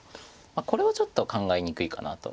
これはちょっと考えにくいかなと。